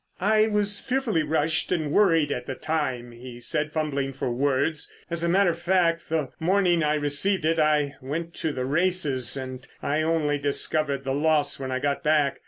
"I was fearfully rushed and worried at the time," he said, fumbling for words. "As a matter of fact, the morning I received it I went to the races, and I only discovered the loss when I got back.